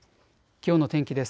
きょうの天気です。